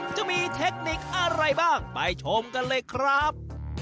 จะมีเทคนิคอะไรบ้างไปชมกันเลยครับ